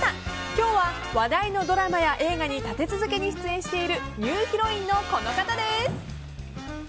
今日は話題のドラマや映画に立て続けに出演しているニューヒロインのこの方です。